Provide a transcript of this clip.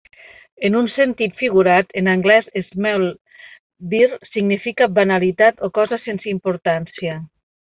En un sentit figurat, en anglès "small beer" significa banalitat o cosa sense importància.